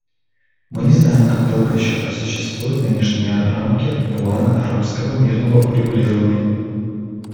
Мы не знаем, как долго еще просуществуют нынешние рамки плана арабского мирного урегулирования.